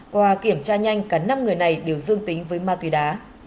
qua kiểm tra nhanh cả năm người này đều dương tính với ma túy đá